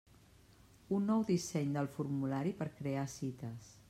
Un nou disseny del formulari per crear cites.